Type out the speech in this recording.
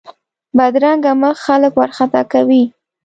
بدرنګه مخ خلک وارخطا کوي